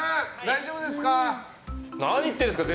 何言ってるんですか。